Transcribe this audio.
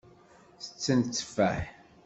Tetten tteffaḥ.